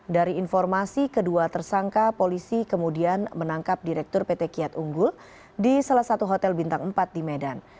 dari informasi kedua tersangka polisi kemudian menangkap direktur pt kiat unggul di salah satu hotel bintang empat di medan